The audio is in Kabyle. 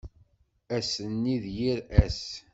Ass-nni d yir ass.